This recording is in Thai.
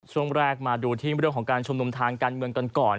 ช่วงแรกมาดูที่เรื่องของการชุมนุมทางการเมืองกันก่อน